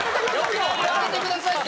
やめてくださいよ！